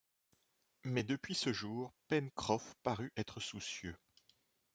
Mais depuis ce jour, Pencroff parut être soucieux.